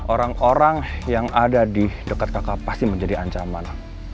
orang orang yang ada di dekat kakak pasti menjadi ancaman